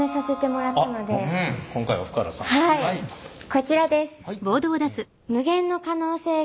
こちらです！